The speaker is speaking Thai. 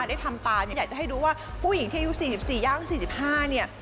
ได้ทำตามอยากจะให้ดูว่าผู้หญิงที่อายุ๔๔ยากอายุ๔๕